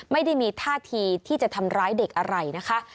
ไม่ได้มีท่าทีที่จะทำร้ายเด็กอะไรนะคะ